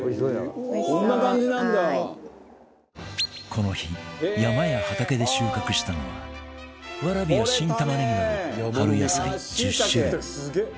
この日山や畑で収穫したのはわらびや新玉ねぎなど春野菜１０種類